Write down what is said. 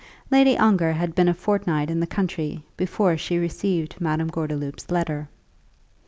Lady Ongar had been a fortnight in the country before she received Madame Gordeloup's letter.